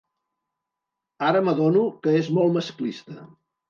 Ara m'adono que és molt masclista.